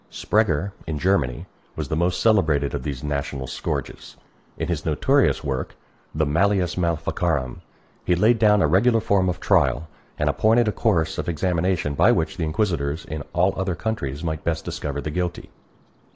Sprenger, in Germany, was the most celebrated of these national scourges. In his notorious work, the Malleus Maleficarum, he laid down a regular form of trial, and appointed a course of examination by which the inquisitors in other countries might best discover the guilty.